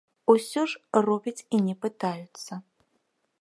Усё ж робяць і не пытаюцца.